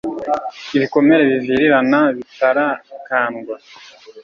ibikomere bivirirana, bitarakandwa